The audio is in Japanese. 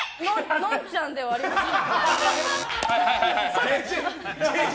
のんちゃんではありません。